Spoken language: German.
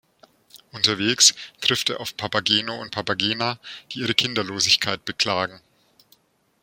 Unterwegs trifft er auf Papageno und Papagena, die ihre Kinderlosigkeit beklagen.